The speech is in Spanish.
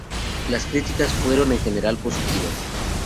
Las críticas fueron en general positivas.